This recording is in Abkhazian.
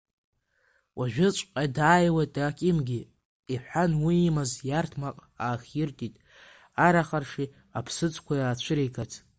Уажәыҵәҟьа дааиуеит Акимгьы, — иҳәан, уи имаз иарҭмаҟ аахиртит, арахарши аԥсыӡқәеи аацәыригарц.